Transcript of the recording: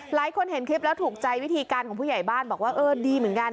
หลายคนเห็นคลิปแล้วถูกใจวิธีการของผู้ใหญ่บ้านบอกว่าเออดีเหมือนกัน